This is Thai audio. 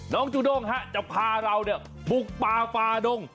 จูด้งจะพาเราบุกป่าฟาดง